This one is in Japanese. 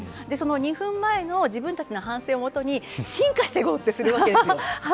２分前の自分の反省をもとに進化していこうとするわけです。